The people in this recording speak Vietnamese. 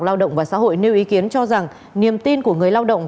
bộ lao động và xã hội nêu ý kiến cho rằng niềm tin của người lao động